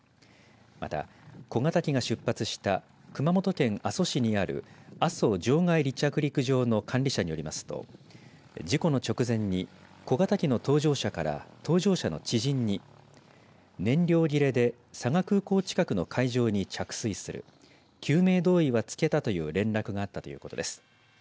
また、小型機が出発した熊本県阿蘇市にある阿蘇場外離着陸場の管理者によりますと事故の直前に小型機の搭乗者から搭乗者の知人に燃料切れで佐賀空港近くの海上に着水する救命胴衣は着けたという連絡があったということです。